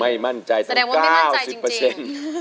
ไม่มั่นใจถึง๙๐เปอร์เซ็นต์